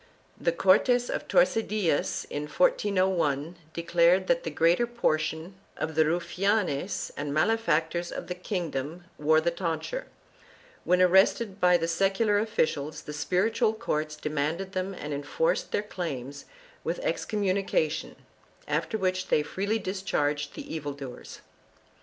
The Cortes of Tordesillas, in 1401, declared that the greater portion of the rufianes and malefactors of the king dom wore the tonsure; when arrested by the secular officials the spiritual courts demanded them and enforced their claims with excommunication, after which they freely discharged the evil doers.